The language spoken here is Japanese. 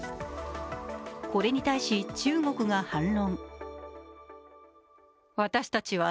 これに対し、中国が反論。